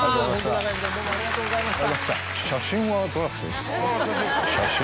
長い時間どうもありがとうございました。